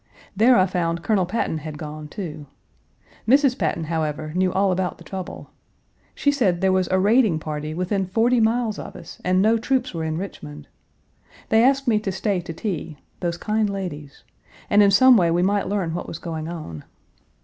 There I found Colonel Patton had gone, too. Mrs. Patton, however, knew all about the trouble. She said there was a raiding party within forty miles of us and no troops were in Richmond! They asked me to stay to tea those kind ladies and in some way we might learn what was going on.